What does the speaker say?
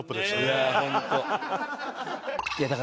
いやホント。